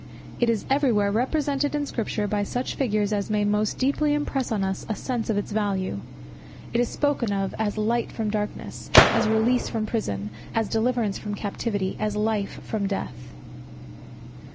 It is every where represented in scripture by such figures as may most deeply impress on us a sense of its value; it is spoken of as light from darkness, as release from prison, as deliverance from captivity, as life from death.